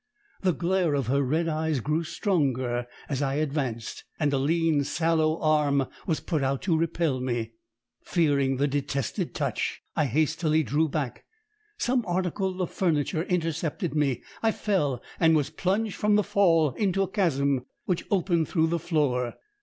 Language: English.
The glare of her red eyes grew stronger as I advanced, and a lean, sallow arm was put out to repel me. Fearing the detested touch, I hastily drew back; some article of furniture intercepted me; I fell, and was plunged from the fall into a chasm, which opened through the floor.